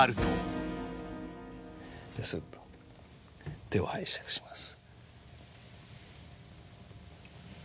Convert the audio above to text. すっと手を拝借します。